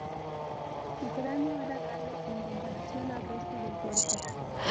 Su cráneo era grande en comparación al resto del cuerpo.